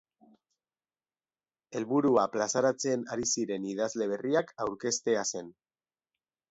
Helburua plazaratzen ari ziren idazle berriak aurkeztea zen.